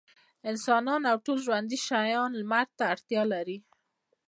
انسانان او ټول ژوندي شيان لمر ته اړتيا لري.